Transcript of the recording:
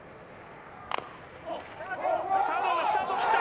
サードランナースタートを切った！